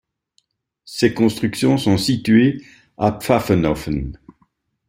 Ces constructions sont situées à Pfaffenhoffen.